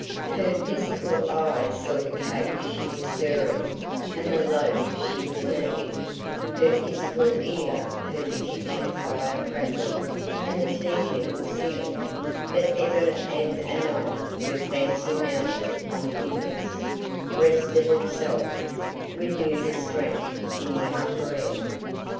Her physical eye saw the cake she was stirring and the loaf she was kneading; her physical ear heard the kitchen fire crackling and the teakettle singing, but ever and anon her fancy mounted on pinions, rested itself, renewed its strength in the upper air.